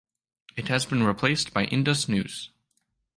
It has been replaced by Indus News.